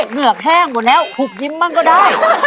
เหือกแห้งหมดแล้วหุบยิ้มบ้างก็ได้